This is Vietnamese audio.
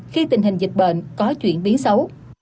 khi tình hình dịch bệnh có chuyển biến xấu